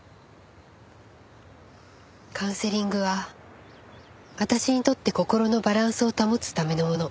カウンセリングは私にとって心のバランスを保つためのもの。